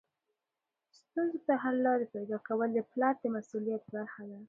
ستونزو ته حل لارې پیدا کول د پلار د مسؤلیت برخه ده.